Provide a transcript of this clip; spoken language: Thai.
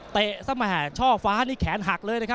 เตะสมหาช่อฟ้าแขนหักเลย